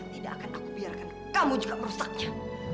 tidak akan aku biarkan kamu juga merusaknya